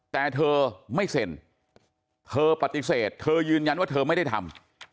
แต่เธอไม่เซ็นเธอปฏิเสธเธอยืนยันว่าเธอไม่ได้ทำ